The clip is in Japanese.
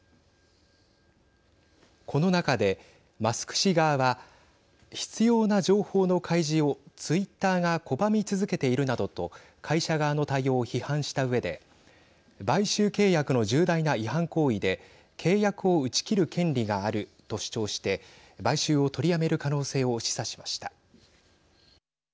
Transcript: この中で、マスク氏側は必要な情報の開示をツイッターが拒み続けているなどと会社側の対応を批判したうえで買収契約の重大な違反行為で契約を打ち切る権利があると主張して買収を取りやめる可能性を示唆しました。